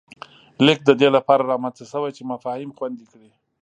لیک د دې له پاره رامنځته شوی چې مفاهیم خوندي کړي